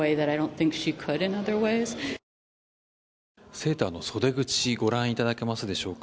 セーターの袖口ご覧いただけますでしょうか。